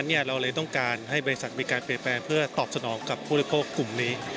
เราเลยต้องการให้บริษัทมีการเปลี่ยนแปลงเพื่อตอบสนองกับผู้บริโภคกลุ่มนี้